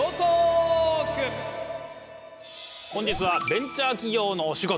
本日はベンチャー企業のお仕事。